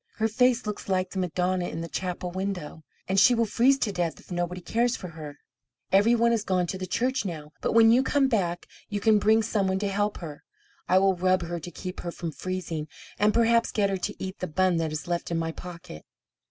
Her face looks like the Madonna in the chapel window, and she will freeze to death if nobody cares for her. Every one has gone to the church now, but when you come back you can bring some one to help her. I will rub her to keep her from freezing, and perhaps get her to eat the bun that is left in my pocket."